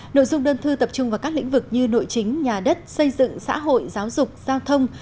nội dung đơn thư tập trung vào các lĩnh vực như nội chính nhà đất xây dựng xã hội giáo dục giao thông